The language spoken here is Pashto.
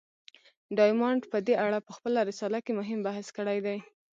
ډایمونډ په دې اړه په خپله رساله کې مهم بحث کړی دی.